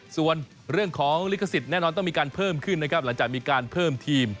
ส่วนเรื่องของลิขสิทธิ์แน่นอนต้องมีการเพิ่มขึ้นนะครับหลังจากมีการเพิ่มทีม